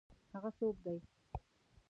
هغه څوک دی؟